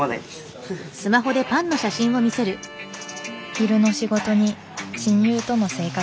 昼の仕事に親友との生活。